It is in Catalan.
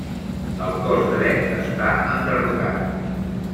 El cos dret està enderrocat.